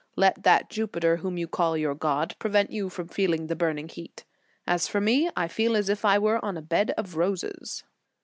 Let that Jupiter whom you call your God, prevent you from feeling the burning heat. As for me, I feel as if I were on a bed of roses.